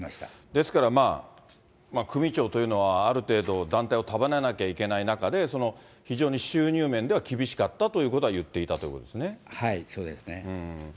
ですからまあ、組長というのはある程度、団体を束ねなきゃいけない中で、非常に収入面では厳しかったということは言っていたということでそうですね。